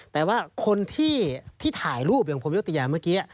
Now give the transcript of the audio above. แต่ว่าคนที่ถ่ายรูปอย่างผมยุติยาเมื่อกี้